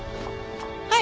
はい。